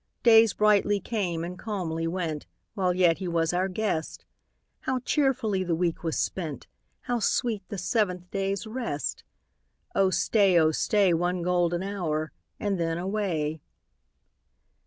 Days brightly came and calmly went, While yet he was our guest ; How cheerfully the week was spent ! How sweet the seventh day's rest ! Oh stay, oh stay. One golden hour, and then away.